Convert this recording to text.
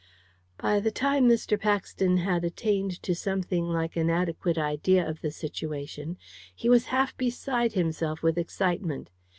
By the time Mr. Paxton had attained to something like an adequate idea of the situation, he was half beside himself with excitement.